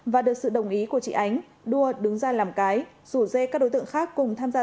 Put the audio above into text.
và được sự đồng ý của chị ánh đua đứng ra làm cái rủ dê các đối tượng khác cùng tham gia